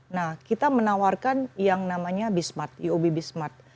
nah kita menawarkan yang namanya bsmart uob bsmart